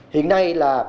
hiện nay là